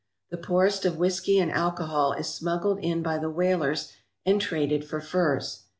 The poorest of whisky and alcohol is smuggled in by the whalers and traded for furs.